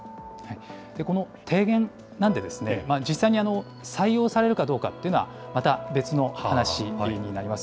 これは提言なので、実際に採用されるかどうかっていうのは、また別の話になります。